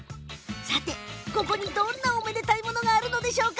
さて、ここにどんなおめでたいものがあるんでしょうか。